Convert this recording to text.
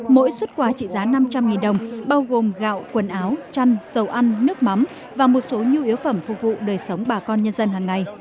mỗi xuất quà trị giá năm trăm linh đồng bao gồm gạo quần áo chăn dầu ăn nước mắm và một số nhu yếu phẩm phục vụ đời sống bà con nhân dân hàng ngày